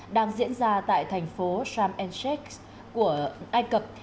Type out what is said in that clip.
đang diễn ra tại thành phố shams al sheikh của ai cập